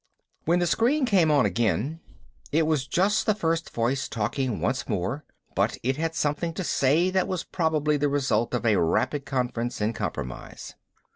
When the screen came on again, it was just the first voice talking once more, but it had something to say that was probably the result of a rapid conference and compromise.